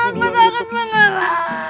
enggak aku takut beneran